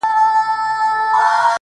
• چي پر دي دي او که خپل خوبونه ویني,